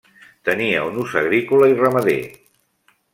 Tenia un ús agrícola i ramader.